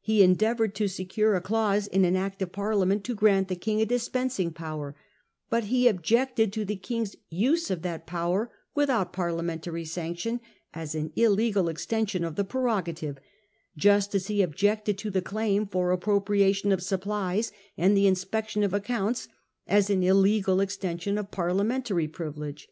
He endeavoured to secure a clause in an Act of Parliament to grant the King a dispensing power ; but he objected to the King's use of that power without Parliamentary sanction as an illegal extension of the prerogative \ just as he objected to the claim for appro priation of supplies and the inspection of accounts as an illegal extension of Parliamentary privilege.